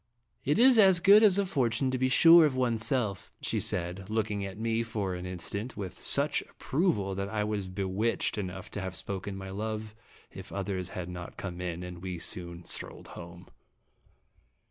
"It is as good as a fortune to be sure of one's self," she said, looking at me for an in stant with such approval that I was bewitched enough to have spoken my love if others had not come in, and we soon strolled home.